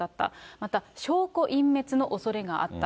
また、証拠隠滅のおそれがあった。